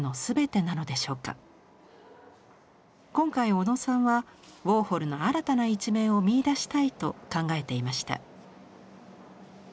今回小野さんはウォーホルの新たな一面を見いだしたいと考えていました。